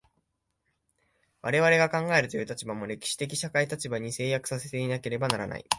我々が考えるという立場も、歴史的社会的立場に制約せられていなければならない。